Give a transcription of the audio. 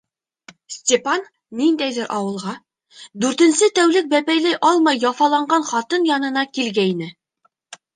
Степан ниндәйҙер ауылға, дүртенсе тәүлек бәпәйләй алмай яфаланған ҡатын янына киткәйне.